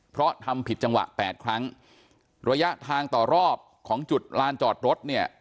เพราะทำผิดจังหวะแปดครั้งระยะทางต่อรอบของจุดลานจอดรถเนี่ย